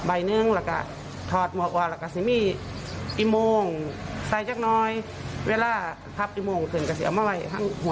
อายุกับสิบประมาณเป็นผู้ชายประมาณ๒๐กว่าปีนี่แหละค่ะ